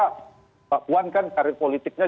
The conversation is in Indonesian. mbak puan kan karir politiknya